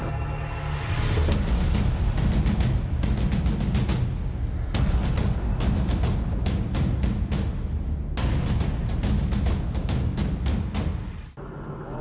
สวัสดีครับทุกคน